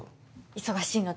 忙しいので。